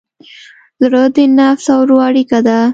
زړه د نفس او روح اړیکه ده.